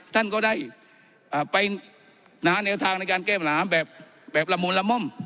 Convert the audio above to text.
ท่านก็ได้ไปแนวทางในการแก้ปัญหาแบบละมุนละม่อม